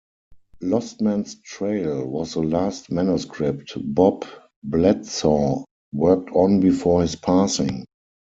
"Lost Man's Trail" was the last manuscript Bob Bledsaw worked on before his passing.